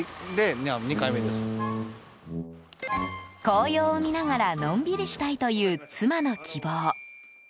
紅葉を見ながらのんびりしたいという妻の希望。